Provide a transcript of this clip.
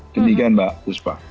demikian mbak uspa